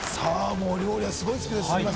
もう料理はすごいスピードで進んでます